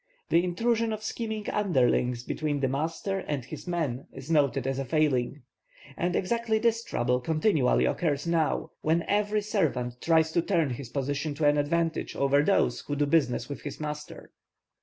The intrusion of scheming underlings between the master and his men is noted as a failing; and exactly this trouble continually occurs now, when every servant tries to turn his position to an advantage over those who do business with his master.